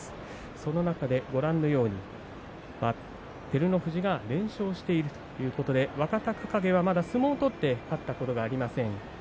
その中で照ノ富士が連勝しているということで若隆景はまだ相撲を取って勝ったことがありません。